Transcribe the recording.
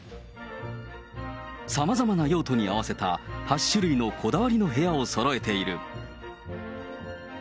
さまざまな用途に合わせた、８種類のこだわりの部屋をそろえている。